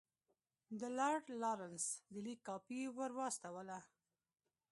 د لارډ لارنس د لیک کاپي ورواستوله.